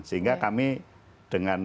sehingga kami dengan